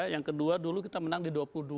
yang kedua dulu kita menang di dua puluh dua